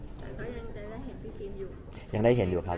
แต่ก็ยังได้เห็นพี่พลีดอยู่